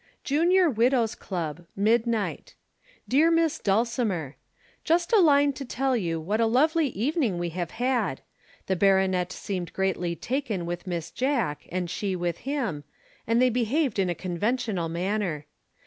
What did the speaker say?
"JUNIOR WIDOWS' CLUB. "Midnight. "DEAR MISS DULCIMER, "Just a line to tell you what a lovely evening we have had. The baronet seemed greatly taken with Miss Jack and she with him, and they behaved in a conventional manner.